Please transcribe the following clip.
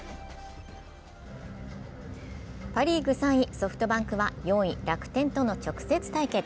パ・リーグ３位・ソフトバンクは４位・楽天との直接対決。